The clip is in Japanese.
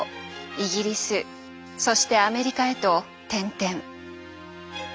イギリスそしてアメリカへと転々。